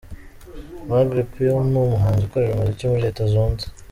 Magaly Pearl ni umuhanzi ukorera umuziki muri leta zunze